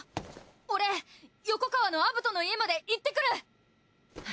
俺横川のアブトの家まで行ってくる！